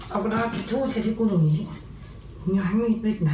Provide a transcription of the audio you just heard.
เอาที่ทุกข์เสียที่ฟุตรอย่างนี้ครับมันหลายกมีตริดนะ